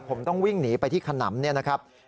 ผมต้องวิ่งหนีไปที่ขนำเนี่ยนะครับ